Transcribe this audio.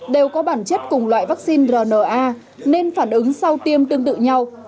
đều có bản chất cùng loại vaccine rna nên phản ứng sau tiêm tương tự nhau